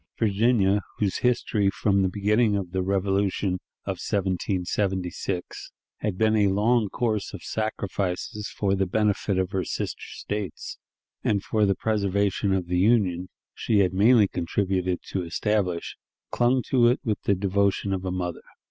Virginia, whose history, from the beginning of the Revolution of 1776, had been a long course of sacrifices for the benefit of her sister States, and for the preservation of the Union she had mainly contributed to establish, clung to it with the devotion of a mother.